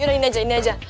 yaudah ini aja ini aja